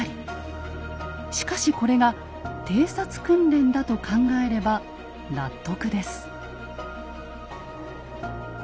しかしこれが偵察訓練だと考えれば納得です。